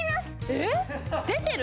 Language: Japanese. えっ出てる？